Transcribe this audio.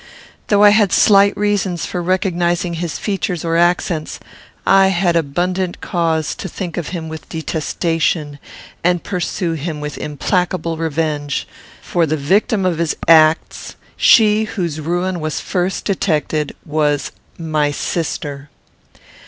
Though I had slight reasons for recognising his features or accents, I had abundant cause to think of him with detestation, and pursue him with implacable revenge, for the victim of his acts, she whose ruin was first detected, was my sister.